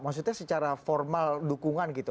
maksudnya secara formal dukungan gitu